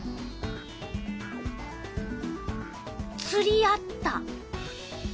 つりあった！